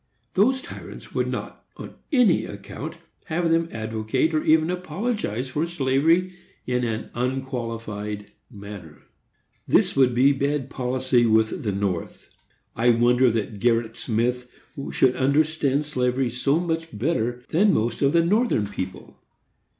Those tyrants would not, on any account, have them advocate or even apologize for slavery in an unqualified manner. This would be bad policy with the North. I wonder that Gerritt Smith should understand slavery so much better than most of the Northern people.